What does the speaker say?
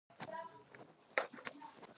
قبضه، چور، لوټ او تالا کوي.